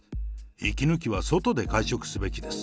息抜きは外で会食すべきです。